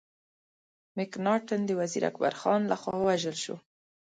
مکناټن د وزیر اکبر خان له خوا ووژل سو.